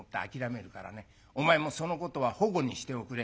お前もそのことはほごにしておくれ。